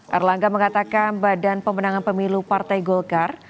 erlangga mengatakan badan pemenangan pemilu partai golkar